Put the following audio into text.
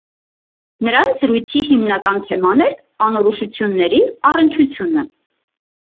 Նրանց զրույցի հիմնական թեման էր անորոշությունների առնչությունը։